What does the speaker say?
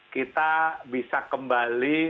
kita bisa kembali